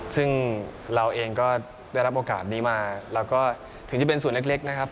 ซึ่งเราเองก็ได้รับโอกาสนี้มาแล้วก็ถึงจะเป็นส่วนเล็กนะครับ